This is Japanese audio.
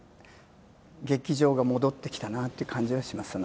劇場が戻ってきたなという感じがしますよね。